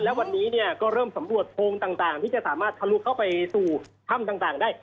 และวันนี้เนี่ยก็เริ่มสำรวจโพงต่างที่จะสามารถทะลุเข้าไปสู่ถ้ำต่างได้